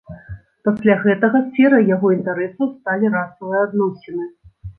Пасля гэтага сферай яго інтарэсаў сталі расавыя адносіны.